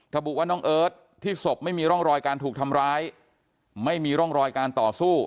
ระบุว่าน้องเอิร์ทที่ศพไม่มีร่องรอยการถูกทำร้ายไม่มีร่องรอยการต่อสู้